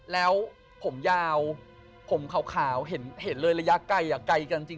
แล้วผมยาวผมขาวเห็นเลยระยะไกล